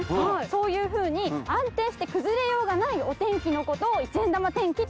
そういうふうに安定して崩れようがないお天気のことを１円玉天気というんです。